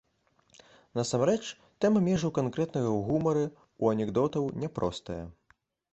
Насамрэч, тэма межаў карэктнага ў гумары, у анекдотаў, не простая.